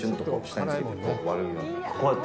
あっ、こうやって？